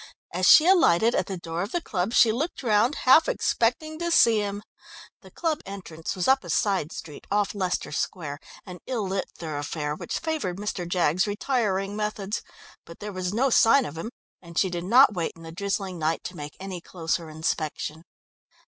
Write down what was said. As she alighted at the door of the club she looked round, half expecting to see him. The club entrance was up a side street off Leicester Square, an ill lit thoroughfare which favoured Mr. Jaggs's retiring methods, but there was no sign of him, and she did not wait in the drizzling night to make any closer inspection.